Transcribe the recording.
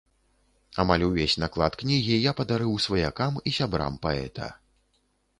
Амаль увесь наклад кнігі я падарыў сваякам і сябрам паэта.